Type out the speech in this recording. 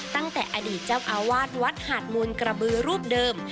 ตั้งแต่อดีตเจ้าอาวาสวัดหาดมูลกระบือรูปเดิม